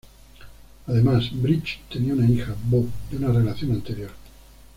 Además Bridges tiene una hija, Bo, de una relación anterior.